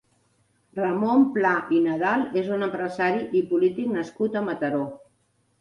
Ramon Pla i Nadal és un empresari i polític nascut a Mataró.